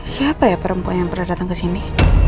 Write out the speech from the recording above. siapa ya perempuan yang pernah datang ke sini